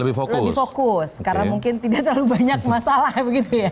lebih fokus karena mungkin tidak terlalu banyak masalah begitu ya